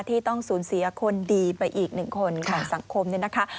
ที่ต้องสูญเสียคนดีไปอีกหนึ่งคนของสังคมเนี่ยนะคะ